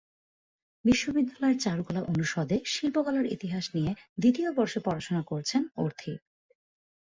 বিশ্ববিদ্যালয়ের চারুকলা অনুষদে শিল্পকলার ইতিহাস নিয়ে দ্বিতীয় বর্ষে পড়াশোনা করছেন অর্থী।